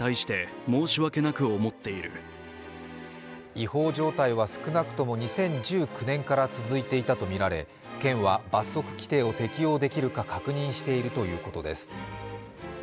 違法状態は少なくとも２０１９年から続いていたとみられ、県は罰則規定を適用できるか確認しているということです。